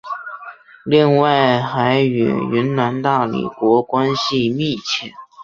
另外还与云南大理国关系密切。